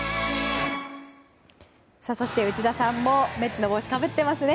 そして内田さんもメッツの帽子をかぶっていますね。